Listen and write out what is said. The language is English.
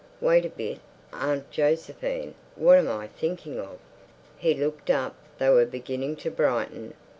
"Wait a bit, Aunt Josephine. What am I thinking of?" He looked up. They were beginning to brighten.